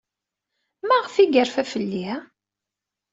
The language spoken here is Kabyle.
Maɣef ay yerfa fell-i?